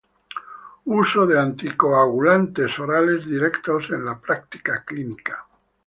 Uso de anticoagulantes orales directos en la práctica clínica.